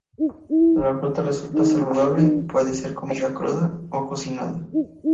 La fruta resulta saludable y puede ser comida cruda, o cocinada.